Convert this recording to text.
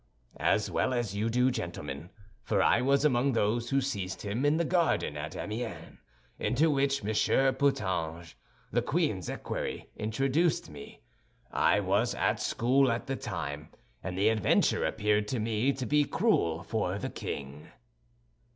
"As well as you do, gentlemen; for I was among those who seized him in the garden at Amiens, into which Monsieur Putange, the queen's equerry, introduced me. I was at school at the time, and the adventure appeared to me to be cruel for the king."